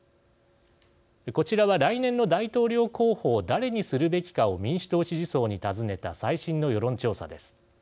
こちらは来年の大統領候補を誰にするべきかを民主党支持層に尋ねた最新の世論調査です。